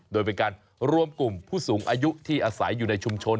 โดยเป็นการรวมกลุ่มผู้สูงอายุที่อาศัยอยู่ในชุมชน